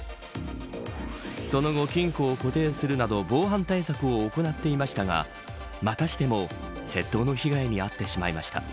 その後、金庫を固定するなど防犯対策を行っていましたがまたしても窃盗の被害に遭ってしまいました。